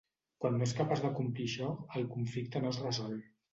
Quan no és capaç d'acomplir això, el conflicte no es resol.